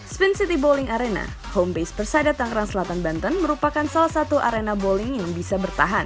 sprint city bowling arena home base persada tangerang selatan banten merupakan salah satu arena bowling yang bisa bertahan